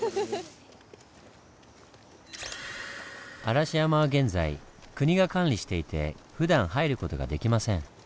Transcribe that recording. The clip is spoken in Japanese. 嵐山は現在国が管理していてふだん入る事ができません。